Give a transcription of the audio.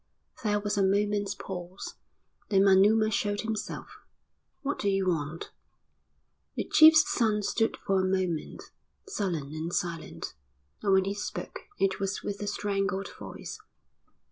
There was a moment's pause, then Manuma showed himself. "What do you want?" The chief's son stood for a moment, sullen and silent, and when he spoke it was with a strangled voice.